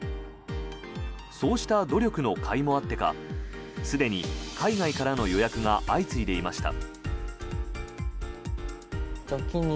そうした努力のかいもあってかすでに海外からの予約が相次いでいました。